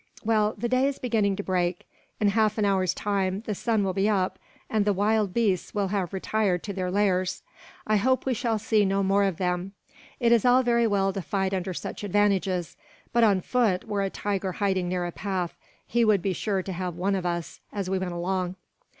"Well, the day is beginning to break. In half an hour's time the sun will be up, and the wild beasts will have all retired to their lairs. I hope we shall see no more of them. It is all very well to fight under such advantages; but on foot, were a tiger hiding near a path, he would be sure to have one of us as we went along.